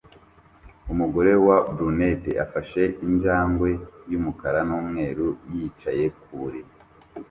Umugore wa brunette afashe injangwe yumukara numweru yicaye ku buriri